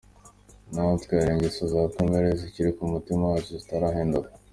Natwe hari ingeso za kamere zikiri mu mitima yacu zitarahinduka.